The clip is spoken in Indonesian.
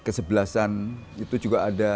kesebelasan itu juga ada